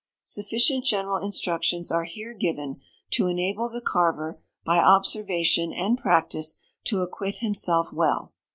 Sufficient general instructions are here given to enable the carver, by observation and practice, to acquit himself well.